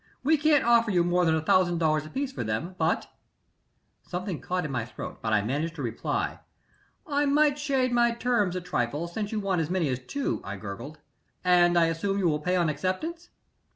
We can't offer you more than a thousand dollars apiece for them, but " Something caught in my throat, but I managed to reply. "I might shade my terms a trifle since you want as many as two," I gurgled. "And I assume you will pay on acceptance?"